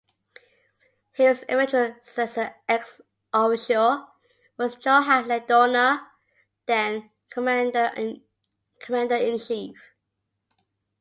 His eventual successor ex officio was Johan Laidoner, then Commander-in-Chief.